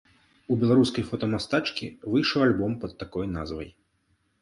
У беларускай фотамастачкі выйшаў альбом пад такой назвай.